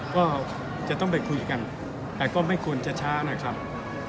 ก็จะต้องไปคุยกันแต่ก็ไม่ควรจะช้านะครับ